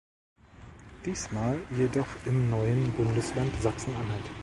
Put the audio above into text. Diesmal jedoch im neuen Bundesland Sachsen-Anhalt.